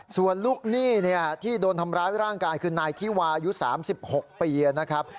ส่วนลูกหนี้ที่โดนทำร้ายร่างกายคือนายที่วายุ๓๖ปีนะครับ